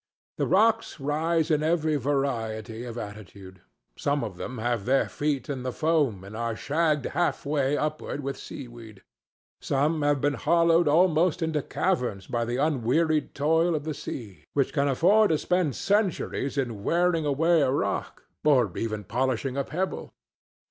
The rocks rise in every variety of attitude. Some of them have their feet in the foam and are shagged halfway upward with seaweed; some have been hollowed almost into caverns by the unwearied toil of the sea, which can afford to spend centuries in wearing away a rock, or even polishing a pebble.